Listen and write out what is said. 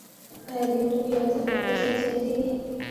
آیا د یو توکي ارزښت په خپل سر زیاتېږي